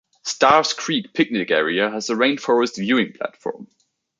Starrs Creek picnic area has a rainforest viewing platform.